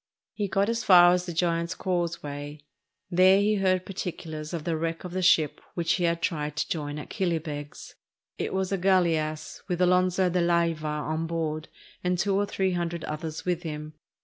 He got as far as the Giant's Causeway; there he heard particulars of the wreck of the ship which he had tried to join at Killybegs. It was a gaUeass with Alonzo de Layva on board and two or three hundred others with him.